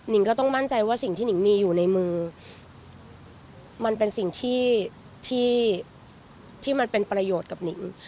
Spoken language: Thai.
ก็ต้องมั่นใจว่าสิ่งที่หนิงมีอยู่ในมือมันเป็นสิ่งที่มันเป็นประโยชน์กับหนิง